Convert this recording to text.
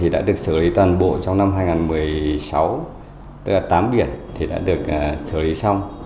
đã được xử lý toàn bộ trong năm hai nghìn một mươi sáu tức tám biển đã được xử lý xong